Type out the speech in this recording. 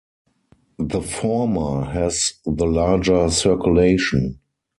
The former has the larger circulation.